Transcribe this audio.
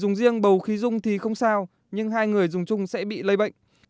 dùng riêng bầu khí dung thì không sao nhưng hai người dùng chung sẽ bị lây bệnh